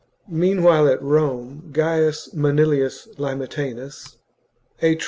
Meanwhile at Rome Gaius Manilius Limetanus, a tri XLi.